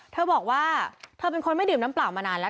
เธอบอกว่าเธอเป็นคนไม่ดื่มน้ำเปล่ามานานแล้ว